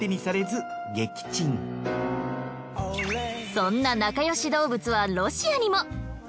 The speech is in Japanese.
そんな仲良し動物はロシアにも！